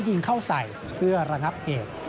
ยิงเข้าใส่เพื่อระงับเหตุ